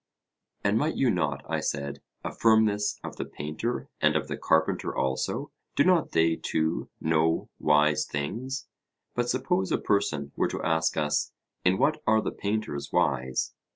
And might you not, I said, affirm this of the painter and of the carpenter also: Do not they, too, know wise things? But suppose a person were to ask us: In what are the painters wise?